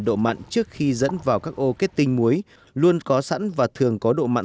độ mặn trước khi dẫn vào các ô kết tinh muối luôn có sẵn và thường có độ mặn